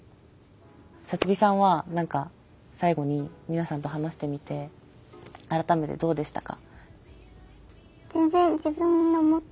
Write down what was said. サツキさんは何か最後に皆さんと話してみて改めてどうでしたか？